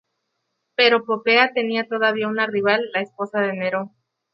Pero Popea tenía todavía una rival: la esposa de Nerón.